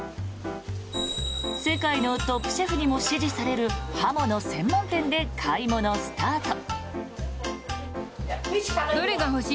世界のトップシェフにも支持される刃物専門店で買い物スタート。